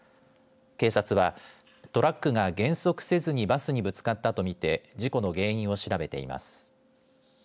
警察はトラックが減速せずにバスにぶつかったと見て事故の原因を調べています。